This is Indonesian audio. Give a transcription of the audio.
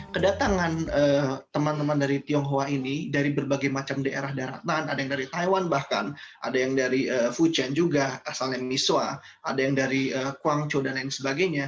kedatangan teman teman dari tionghoa ini dari berbagai macam daerah daratan ada yang dari taiwan bahkan ada yang dari fuchen juga asalnya misoa ada yang dari kuangco dan lain sebagainya